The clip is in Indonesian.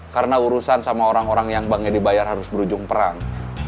karena urusan sama orang orang yang banknya dibayar harus berujung perang